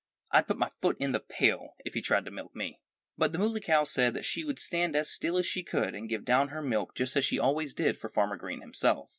"I'd put my foot in the pail, if he tried to milk me." But the Muley Cow said that she would stand as still as she could and give down her milk just as she always did for Farmer Green himself.